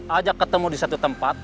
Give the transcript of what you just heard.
ajak ketemu di satu tempat